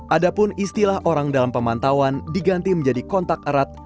ada pun istilah orang dalam pemantauan diganti menjadi kontak erat